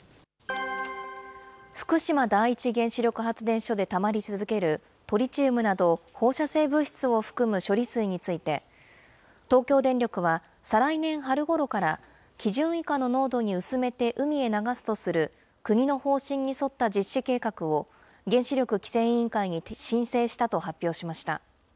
福島第一原子力発電所でたまり続けるトリチウムなど放射性物質を含む処理水について、東京電力は、再来年春ごろから、基準以下の濃度に薄めて海へ流すとする国の方針に沿った実施計画を原子力規制委員会に申請したと発表しました。